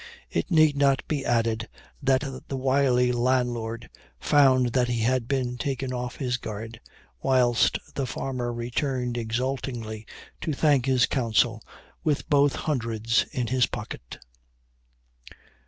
It need not be added, that the wily landlord found that he had been taken off his guard, whilst the farmer returned exultingly to thank his counsel, with both hundreds in his pocket.